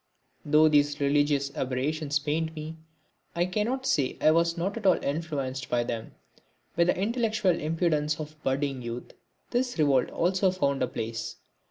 Though these religious aberrations pained me, I cannot say I was not at all influenced by them. With the intellectual impudence of budding youth this revolt also found a place.